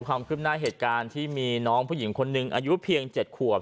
ความคืบหน้าเหตุการณ์ที่มีน้องผู้หญิงคนหนึ่งอายุเพียง๗ขวบ